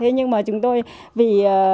nhưng mà chúng tôi vì